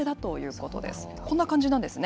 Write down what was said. こんな感じなんですね。